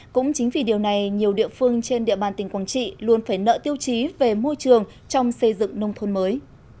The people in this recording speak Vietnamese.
cũng chính vì điều này nhiều địa phương trên địa bàn tỉnh quảng trị luôn phải nợ tiêu chí về môi trường trong xây dựng nông thôn mới